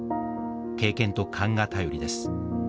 経験と勘が頼りです。